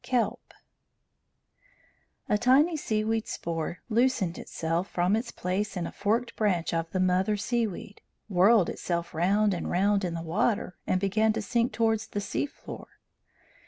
KELP A tiny sea weed spore loosened itself from its place in a forked branch of the mother sea weed, whirled itself round and round in the water, and began to sink towards the sea floor.